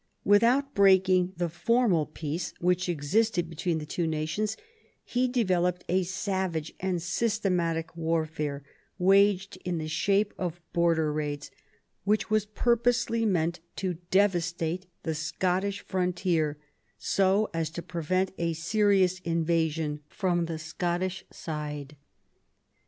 Without breaking the formal peace which existed between the two nations, he developed a savage and systematic warfare, waged in the shape of Border raids, which was purposely meant to de vastate the Scottish frontier, so as to prevent a serious invasion from the Scottish side.